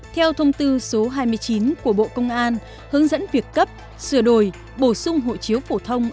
theo thông tư số hai mươi chín của bộ công an hướng dẫn việc cấp sửa đổi bổ sung hộ chiếu phổ thông